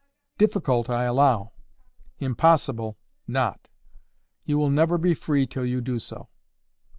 "Difficult, I allow. Impossible, not. You will never be free till you do so."